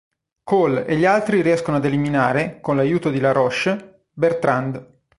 Cole e gli altri riescono ad eliminare, con l'aiuto di Laroche, Bertrand.